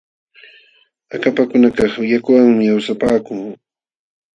Akapakunakaq yakuwanmi awsapaaku.